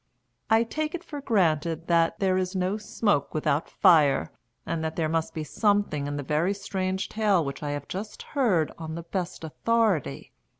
I take it for granted that "there is no smoke without fire," and that there must be something in the very strange tale which I have just heard on the best authority.